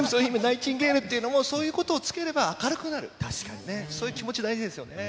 チンゲールっていうのも、そういうことをつければ明るくなる、そういう気持ち、大事ですよね。